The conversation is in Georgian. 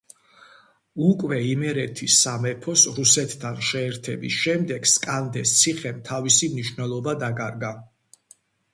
უკვე იმერეთის სამეფოს რუსეთთან შეერთების შემდეგ სკანდეს ციხემ თავისი მნიშვნელობა დაკარგა.